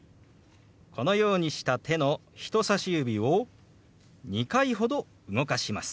このようにした手の人さし指を２回ほど動かします。